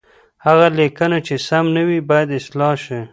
هغه لیکنه چې سم نه وي، باید اصلاح شي.